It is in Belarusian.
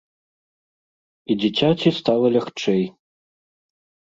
І дзіцяці стала лягчэй.